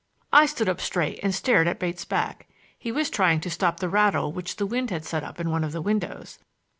I stood up straight and stared at Bates' back—he was trying to stop the rattle which the wind had set up in one of the windows.